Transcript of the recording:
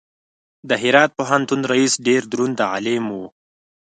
د هرات پوهنتون رئیس ډېر دروند عالم و.